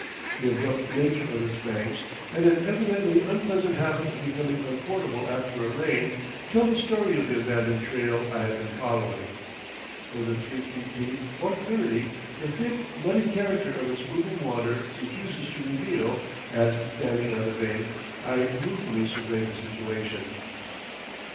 The abrupt nature of its banks, and an evidently unpleasant habit of becoming unfordable after a rain, tell the story of the abandoned trail I have been following. Whether three feet deep or thirty, the thick, muddy character of its moving water refuses to reveal, as, standing on the bank, I ruefully survey the situation.